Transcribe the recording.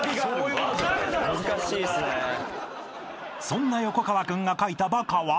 ［そんな横川君が書いたバカは］